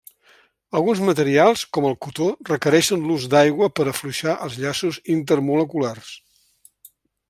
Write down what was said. Alguns materials com el cotó requereixen l'ús d'aigua per afluixar els llaços intermoleculars.